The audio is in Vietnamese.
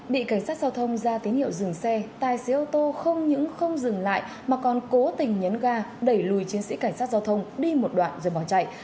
bị cảnh sát giao thông ra tín hiệu dừng xe tài xế ô tô không những không dừng lại mà còn cố tình nhấn ga đẩy lùi chiến sĩ cảnh sát giao thông đi một đoạn rồi bỏ chạy